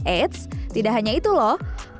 eits tidak hanya itu loh